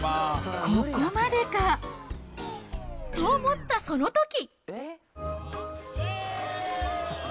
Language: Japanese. ここまでかと思ったそのとき。